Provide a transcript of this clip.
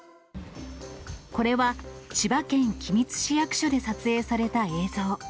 これは千葉県君津市役所で撮影された映像。